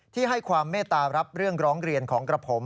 ที่ให้ความเมตตารับเรื่องร้องเรียนของกระผม